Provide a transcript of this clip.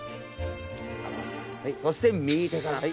そして右手から。